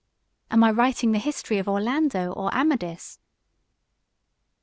78 Am I writing the history of Orlando or Amadis?